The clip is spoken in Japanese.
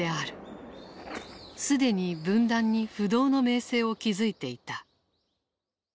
既に文壇に不動の名声を築いていた。